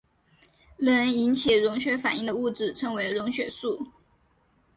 能引起溶血反应的物质称为溶血素。